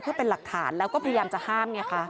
เพื่อเป็นหลักฐานแล้วก็พยายามจะห้ามไงคะ